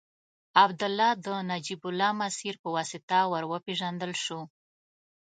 عبدالله د نجیب الله مسیر په واسطه ور وپېژندل شو.